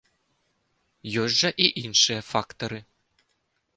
Ёсць жа і іншыя фактары.